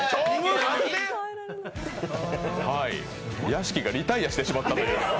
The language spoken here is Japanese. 屋敷がリタイアしてしまった。